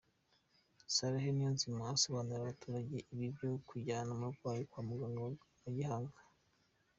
Sarehe Niyonzima asobanurira abaturage ibibi byo kujyana umurwayi kwa muganga wa gihanga.